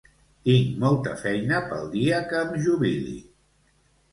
Tinc molta feina pel dia que em jubili!